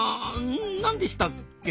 何でしたっけか？